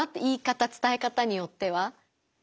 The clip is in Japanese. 言い方伝え方によっては。